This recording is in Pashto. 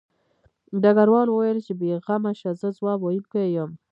ډګروال وویل چې بې غمه شه زه ځواب ویونکی یم